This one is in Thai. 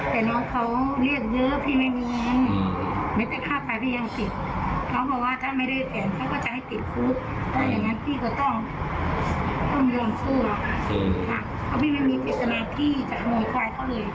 เพราะพี่ไม่มีเจตนาที่จะเอาควายเขาเลย